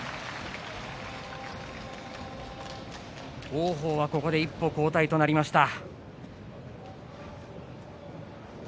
王鵬はここで一歩後退となりました。